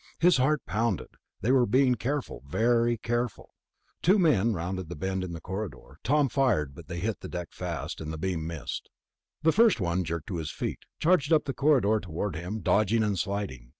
His heart pounded. They were being careful, very careful.... Two more men rounded the bend in the corridor. Tom fired, but they hit the deck fast, and the beam missed. The first one jerked to his feet, charged up the corridor toward him, dodging and sliding.